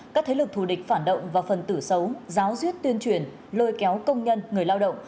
các thế lực thù địch phản động và phần tử xấu giáo diết tuyên truyền lôi kéo công nhân người lao động